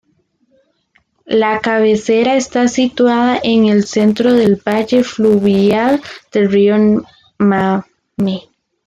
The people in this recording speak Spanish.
La cabecera está situada en el centro del valle fluvial del río Mame.